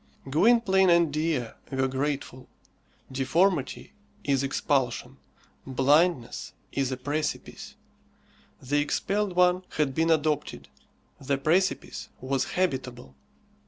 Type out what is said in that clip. Gwynplaine and Dea were grateful. Deformity is expulsion. Blindness is a precipice. The expelled one had been adopted; the precipice was habitable.